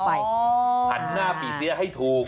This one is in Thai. หันหน้าปีเสียให้ถูก